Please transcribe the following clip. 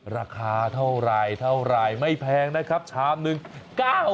ราคาเท่าไหร่ไม่แพงนะครับชามหนึ่ง๙บาท